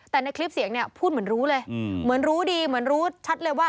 แต่ในคลิปเสียงเนี่ยพูดเหมือนรู้เลยเหมือนรู้ดีเหมือนรู้ชัดเลยว่า